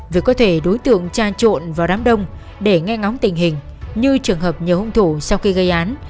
vì có thể đối tượng tra trộn vào đám đông để nghe ngóng tình hình như trường hợp nhiều hung thủ sau khi gây án